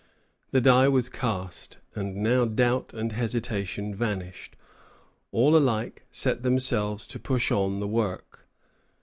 The die was cast, and now doubt and hesitation vanished. All alike set themselves to push on the work.